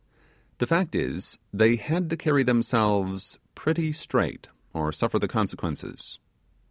The fact is, they had to carry themselves 'PRETTY STRAIGHT,' or suffer the consequences.